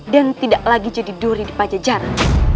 dan tidak lagi jadi duri di pajajara